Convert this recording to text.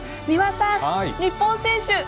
三輪さん、日本選手